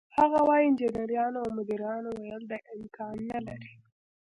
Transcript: هغه وايي: "انجنیرانو او مدیرانو ویل دا امکان نه لري،